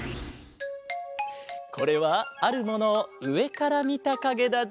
これはあるものをうえからみたかげだぞ。